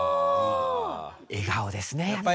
笑顔ですねやっぱりね。